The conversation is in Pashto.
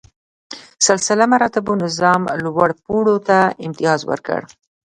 سلسله مراتبو نظام لوړ پوړو ته امتیاز ورکړ.